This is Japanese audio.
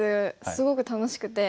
すごく楽しくて。